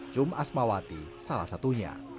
jom asmawati salah satunya